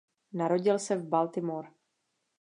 Narodil se v Baltimore.